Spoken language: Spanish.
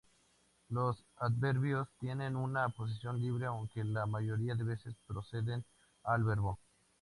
Los adverbios tienen una posición libre, aunque la mayoría de veces preceden al verbo.